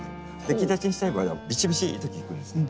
木立ちにしたい場合はビシビシッと切るんですね。